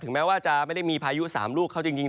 แม้ว่าจะไม่ได้มีพายุ๓ลูกเข้าจริง